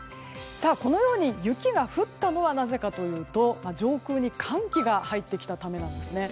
このように雪が降ったのはなぜかというと上空に寒気が入ってきたためなんですね。